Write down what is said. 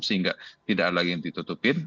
sehingga tidak ada lagi yang ditutupin